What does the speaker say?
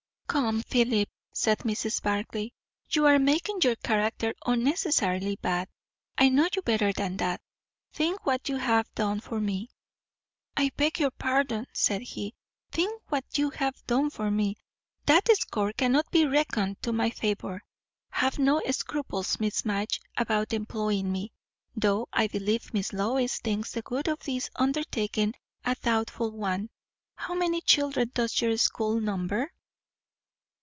"Come, Philip," said Mrs. Barclay, "you are making your character unnecessarily bad. I know you better than that. Think what you have done for me." "I beg your pardon," said he. "Think what you have done for me. That score cannot be reckoned to my favour. Have no scruples, Miss Madge, about employing me. Though I believe Miss Lois thinks the good of this undertaking a doubtful one. How many children does your school number?"